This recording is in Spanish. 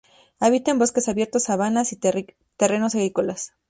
Habita en bosques abiertos, sabanas y terrenos agrícolas.